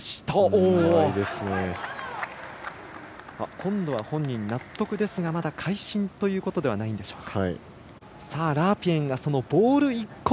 今度は本人納得ですがまだ会心ということではないんでしょうか。